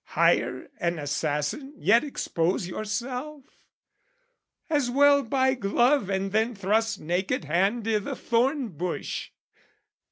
Hire an assassin yet expose yourself? As well buy glove and then thrust naked hand I' the thorn bush.